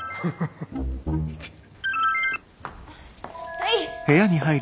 はい。